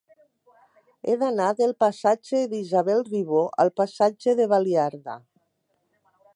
He d'anar del passatge d'Isabel Ribó al passatge de Baliarda.